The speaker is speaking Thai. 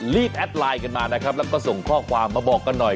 แอดไลน์กันมานะครับแล้วก็ส่งข้อความมาบอกกันหน่อย